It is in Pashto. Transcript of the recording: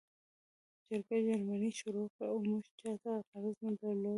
جګړه جرمني شروع کړه او موږ چاته غرض نه درلود